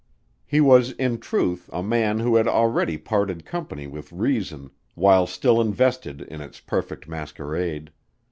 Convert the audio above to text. He was in truth a man who had already parted company with reason while still invested in its perfect masquerade.